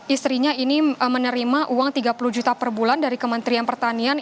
istrinya ini menerima uang tiga puluh juta per bulan dari kementerian pertanian